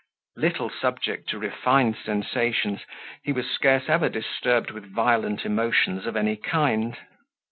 Little subject to refined sensations, he was scarce ever disturbed with violent emotions of any kind.